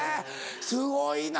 すごいな。